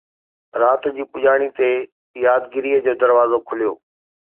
رات جي پڄاڻيءَ تي يادگيريءَ جو دروازو کليو